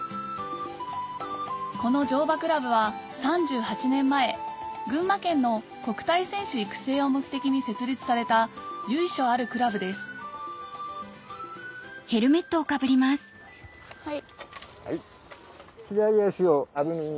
この乗馬クラブは３８年前群馬県の国体選手育成を目的に設立された由緒あるクラブですはい。